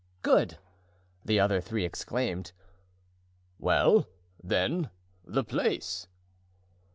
"Good!" the other three exclaimed. "Well, then, the place?"